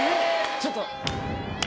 ちょっと。